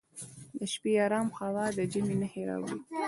د شپې ارام هوا د ژمي نښې راوړي.